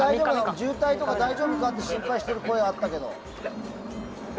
渋滞とか大丈夫かって心配してる声があったけど。